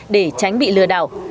để tránh bị lừa đảo